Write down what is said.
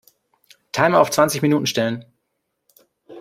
Timer auf zwanzig Minuten stellen.